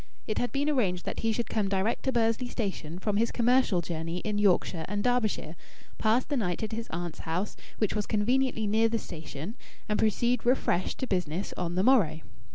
It had been arranged that he should come direct to Bursley station from his commercial journey in Yorkshire and Derbyshire, pass the night at his aunt's house, which was conveniently near the station, and proceed refreshed to business on the morrow.